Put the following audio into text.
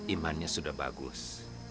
imannya sudah bagus